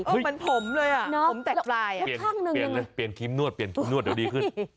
เห้ยมันผมเลยผมแตกปลายแล้วข้างหนึ่งเปลี่ยนครีมนวดจะดีขึ้น